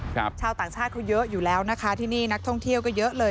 ชาวต่างชาติเขาเยอะอยู่แล้วนะคะที่นี่นักท่องเที่ยวก็เยอะเลย